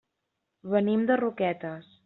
Venim de Roquetes.